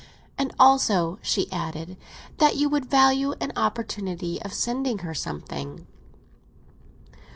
"And also," she added, "that you would value an opportunity of sending her something."